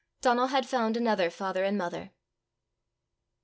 Donal had found another father and mother.